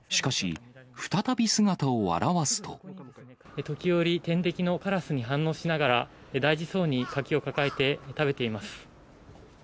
しかし、時折、天敵のからすに反応しながら、大事そうに柿を抱えて食べています。